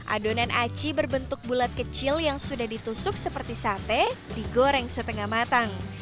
adonan aci berbentuk bulat kecil yang sudah ditusuk seperti sate digoreng setengah matang